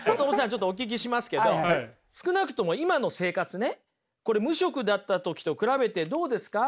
ちょっとお聞きしますけど少なくとも今の生活ねこれ無職だった時と比べてどうですか？